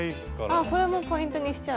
あこれもポイントにしちゃう。